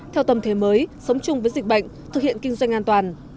theo tầm thế mới sống chung với dịch bệnh thực hiện kinh doanh an toàn